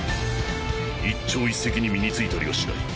一朝一夕に身についたりはしない。